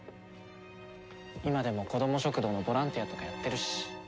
今でもこども食堂のボランティアとかやってるし。